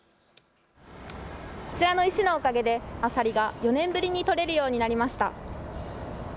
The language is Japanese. こちらの石のおかげでアサリが４年ぶりに取れるようになりました。